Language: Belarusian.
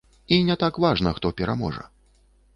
І не так важна, хто пераможа.